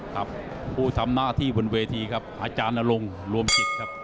ครับผู้ทำหน้าที่บนเวทีครับอาจารย์นรงค์รวมจิตครับ